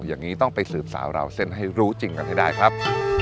อย่างนี้ต้องไปสืบสาวราวเส้นให้รู้จริงกันให้ได้ครับ